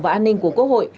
và an ninh của quốc hội